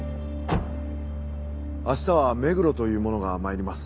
明日は目黒という者が参ります。